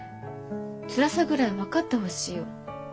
つらさぐらい分かってほしいよ。